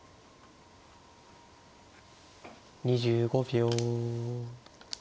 ２５秒。